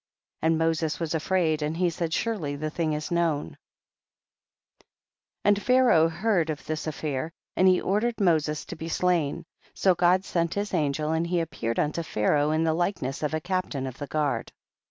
and Moses was afraid and he said, surely the thing is known ! 9. And Pharaoh heard of this af fair, and he ordered Moses to be slain, so God sent his angel, and he appeared unto Pharaoh in the like ness of a captain of the guard.